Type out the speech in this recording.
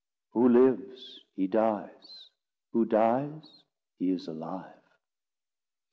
..... "Who lives, he dies; who dies, he is alive."